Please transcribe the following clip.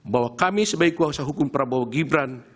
bahwa kami sebagai kuasa hukum prabowo gibran